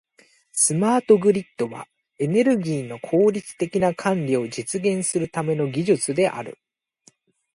スマートグリッドは、エネルギーの効率的な管理を実現するための技術である。